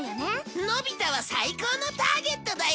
のび太は最高のターゲットだよ